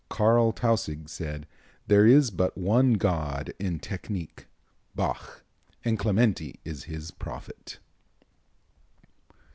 Carl Tausig said: "There is but one god in technique, Bach, and Clementi is his prophet."